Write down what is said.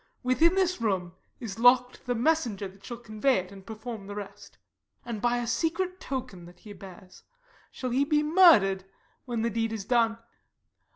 Within this room is lock'd the messenger That shall convey it, and perform the rest; And, by a secret token that he bears, Shall he be murder'd when the deed is done.